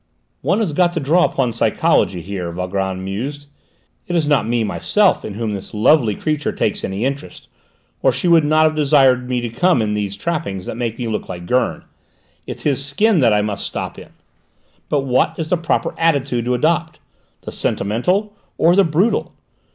"One has got to draw upon psychology here," Valgrand mused. "It is not me, myself, in whom this lovely creature takes any interest, or she would not have desired me to come in these trappings that make me look like Gurn; it's his skin that I must stop in! But what is the proper attitude to adopt? The sentimental? Or the brutal?